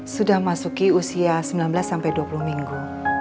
sudah masuki usia sembilan belas dua puluh minggu